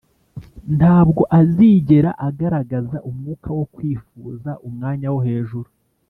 ntabwo azigera agaragaza umwuka wo kwifuza umwanya wo hejuru,